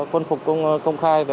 quân phục công khai